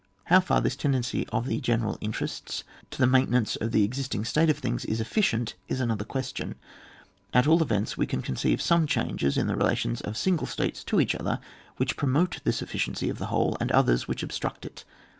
How far this tendency of the general interests to the maintenance of the exist ing state of things is efficient is another* question ; at all events we can conceive some changes in the relations of single states to each other, which promote this efficiency of the whole, and others which obstruct it.